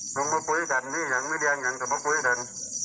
น้องมาพูดกันนี่ยังไม่ได้ยังจะมาพูดกัน